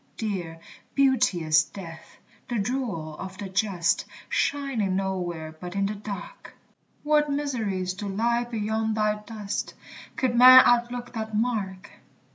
Dear, beauteous death, the jewel of the just, Shining nowhere but in the dark! What mysteries do lie beyond thy dust, Could man outlook that mark!